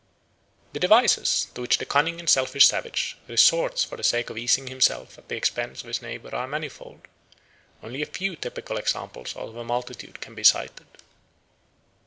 The devices to which the cunning and selfish savage resorts for the sake of easing himself at the expense of his neighbour are manifold; only a few typical examples out of a multitude can be cited.